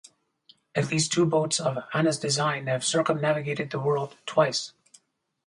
At least two boats of Hanna's design have circumnavigated the world twice.